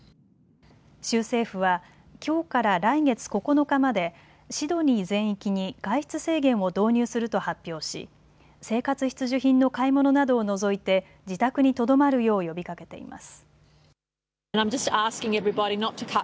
州政府はきょうから来月９日までシドニー全域に外出制限を導入すると発表し生活必需品の買い物などを除いて自宅にとどまるよう呼びかけています。